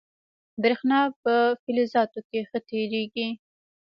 برېښنا په فلزاتو کې ښه تېرېږي.